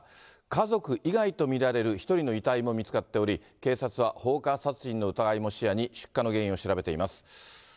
家族以外と見られる１人の遺体も見つかっており、警察は放火殺人の疑いも視野に、出火の原因を調べています。